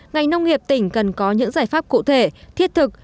ngành nông nghiệp tỉnh cần có những giải pháp cụ thể thiết thực